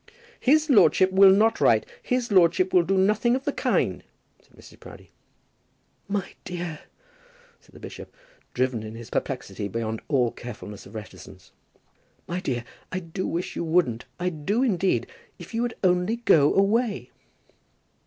"His lordship will not write. His lordship will do nothing of the kind," said Mrs. Proudie. "My dear!" said the bishop, driven in his perplexity beyond all carefulness of reticence. "My dear, I do wish you wouldn't, I do indeed. If you would only go away!"